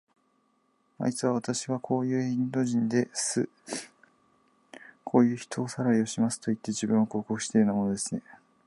あいつは、わたしはこういうインド人です。こういう人さらいをしますといって、自分を広告していたようなものですね。